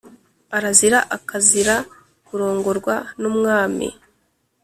arazira akazira kurongorwa numwami